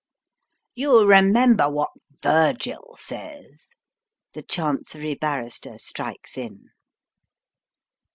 "You remember what Virgil says?" the Chancery Barrister strikes in.